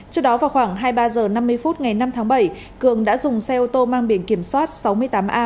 trước đó vào khoảng hai mươi ba h năm mươi phút ngày năm tháng bảy cường đã dùng xe ô tô mang biển kiểm soát sáu mươi tám a tám nghìn bảy trăm bốn mươi ba